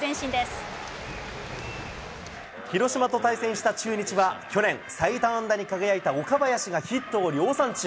広島と対戦した中日は、去年、最多安打に輝いた岡林がヒットを量産中。